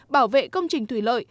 bảo vệ công trình thủy lợi